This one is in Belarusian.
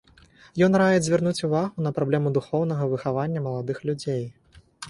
Ён раіць звярнуць увагу на праблему духоўнага выхавання маладых людзей.